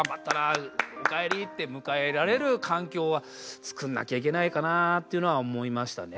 おかえり」って迎えられる環境はつくんなきゃいけないかなっていうのは思いましたね。